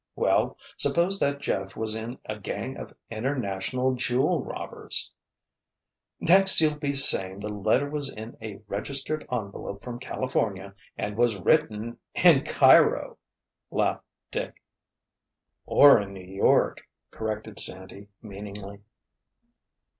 Well—suppose that Jeff was in a gang of international jewel robbers——" "Next you'll be saying the letter was in a registered envelope from California and was written in Cairo!" laughed Dick. "Or in New York!" corrected Sandy meaningly.